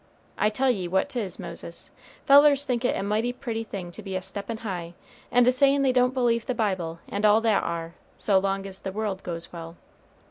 I tell ye what 'tis, Moses, fellers think it a mighty pretty thing to be a steppin' high, and a sayin' they don't believe the Bible, and all that ar, so long as the world goes well.